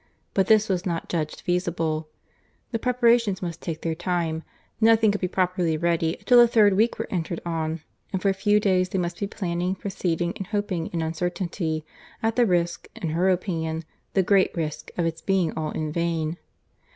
But this was not judged feasible. The preparations must take their time, nothing could be properly ready till the third week were entered on, and for a few days they must be planning, proceeding and hoping in uncertainty—at the risk—in her opinion, the great risk, of its being all in vain.